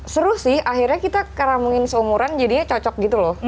seru sih akhirnya kita keramungin seumuran jadinya cocok gitu loh